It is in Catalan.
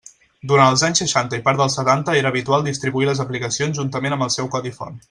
Durant els anys seixanta i part dels setanta era habitual distribuir les aplicacions juntament amb el seu codi font.